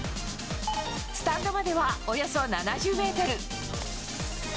スタンドまではおよそ７０メートル。